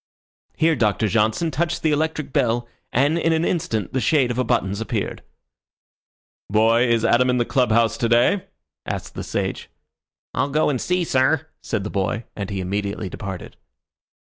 Here Doctor Johnson touched the electric bell, and in an instant the shade of a buttons appeared. "Boy, is Adam in the club house to day?" asked the sage. "I'll go and see, sir," said the boy, and he immediately departed.